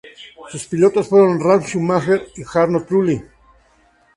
Sus pilotos fueron Ralf Schumacher y Jarno Trulli.